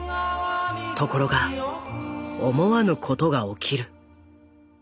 ところが思わぬことが起きる。